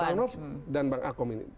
bang nors dan bang akom ini